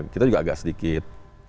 kita juga agak sedikit